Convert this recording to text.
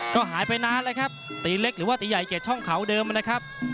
ก็หายไปนานแล้วครับตีเล็กหรือว่าตีใหญ่เกดช่องเขาเดิมนะครับ